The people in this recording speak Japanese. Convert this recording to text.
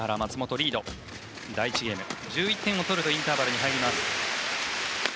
１１点を取るとインターバルに入ります。